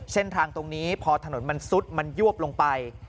เส้นทางตรงนี้พอถนนมันซุดมันยวบลงไป